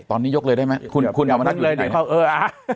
ตอนนี้ยกเลยได้ไหมคุณเอามานั่งอยู่ในไทย